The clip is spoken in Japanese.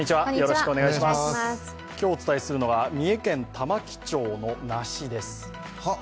今日お伝えするのは三重県玉城町の梨です。